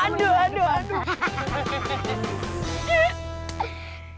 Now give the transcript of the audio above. aduh aduh aduh